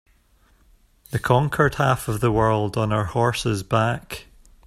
The conquered half of the world on her horse's back.